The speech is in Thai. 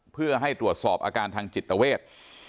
เพื่อให้ตรวจสอบอาการทางจิตเวท